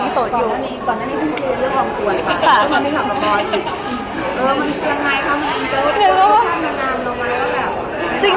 ก็คืออีโสตอนนั้น